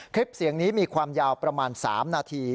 คลิปเสียงนี้มีความยาวประมาณ๓นาที